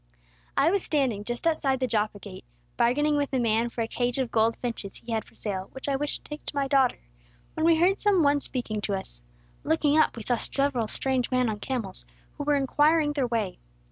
"I was standing just outside the Joppa gate, bargaining with a man for a cage of gold finches he had for sale, which I wished to take to my daughter, when we heard some one speaking to us. Looking up we saw several strange men on camels, who were inquiring their way.